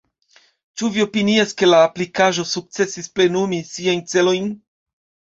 Ĉu vi opinias ke la aplikaĵo sukcesis plenumi siajn celojn?